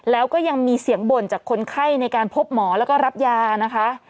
แล้วก็ยังมีเสียงบ่นจากคนไข้ในการพบหมอแล้วก็รับยานะคะ